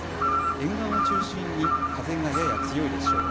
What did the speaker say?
沿岸を中心に風がやや強いでしょう。